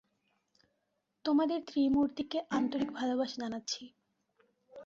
তোমাদের ত্রিমূর্তিকে আন্তরিক ভালবাসা জানাচ্ছি।